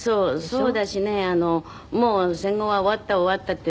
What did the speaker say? そうだしねもう戦後は終わった終わったってね。